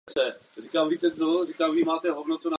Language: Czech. Je endemický pro Zambii.